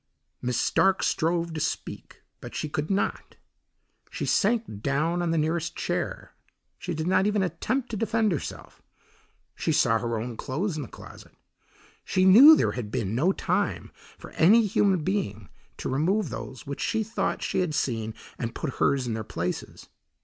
Miss Stark strove to speak but she could not. She sank down on the nearest chair. She did not even attempt to defend herself. She saw her own clothes in the closet. She knew there had been no time for any human being to remove those which she thought she had seen and put hers in their places.